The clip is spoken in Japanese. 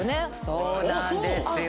そうなんですよ